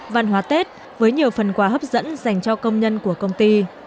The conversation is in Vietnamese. văn hóa tết với nhiều phần quà hấp dẫn dành cho công nhân của công ty